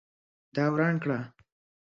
دا وران کړه